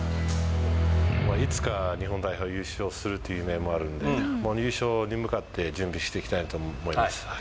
いつか日本代表優勝するっていう夢もあるので、優勝に向かって準備していきたいと思います。